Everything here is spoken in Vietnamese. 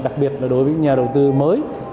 đặc biệt là đối với nhà đầu tư mới